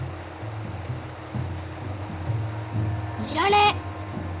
知らねえ。